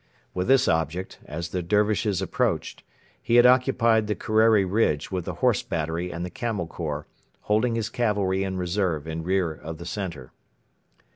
With this object, as the Dervishes approached, he had occupied the Kerreri ridge with the Horse battery and the Camel Corps, holding his cavalry in reserve in rear of the centre.